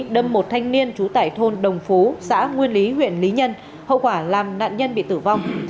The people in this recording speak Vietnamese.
đâm một thanh niên trú tại thôn đồng phú xã nguyên lý huyện lý nhân hậu quả làm nạn nhân bị tử vong